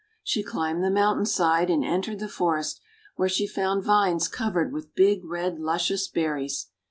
She climbed the mountain side, and entered the forest, where she found vines covered with big, red, luscious berries.